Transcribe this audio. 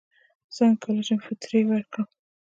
څنګه کولی شم فطرې ورکړم